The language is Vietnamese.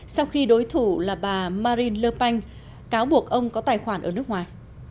sau khi đối thủ là bà marine le pen cáo buộc ông có tài khoản ở nước ngoài